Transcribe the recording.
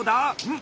ん？